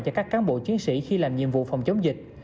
cho các cán bộ chiến sĩ khi làm nhiệm vụ phòng chống dịch